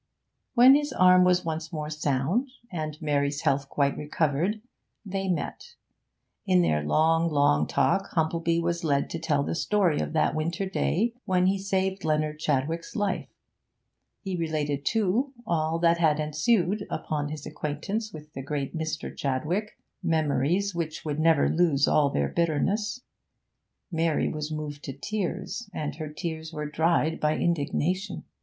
When his arm was once more sound, and Mary's health quite recovered, they met. In their long, long talk Humplebee was led to tell the story of that winter day when he saved Leonard Chadwick's life; he related, too, all that had ensued upon his acquaintance with the great Mr. Chadwick, memories which would never lose all their bitterness. Mary was moved to tears, and her tears were dried by indignation.